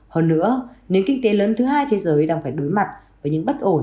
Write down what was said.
hơn nữa nền kinh tế lớn thứ hai thế giới đang phải đối mặt với những bất ổn